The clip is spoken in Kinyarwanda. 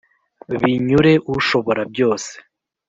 binyure ushobora byose